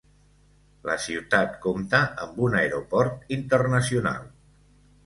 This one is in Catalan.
La ciutat compta amb un aeroport internacional.